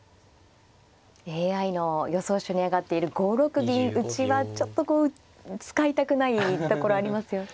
ＡＩの予想手に挙がっている５六銀打はちょっとこう使いたくないところありますよね。